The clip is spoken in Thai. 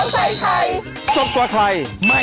บ๊ายบ๊าย